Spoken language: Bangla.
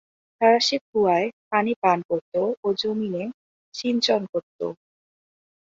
তারা সে কুয়ায় পানি পান করত ও যমীনে সিঞ্চন করত।